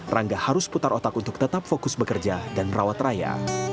rangga harus putar otak untuk tetap fokus bekerja dan merawat raya